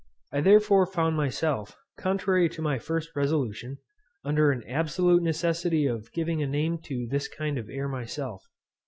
I therefore found myself, contrary to my first resolution, under an absolute necessity of giving a name to this kind of air myself.